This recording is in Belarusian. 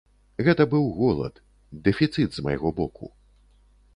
Гэта быў голад, дэфіцыт з майго боку.